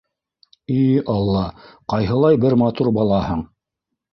И алла, ҡайһылай бер матур балаһың!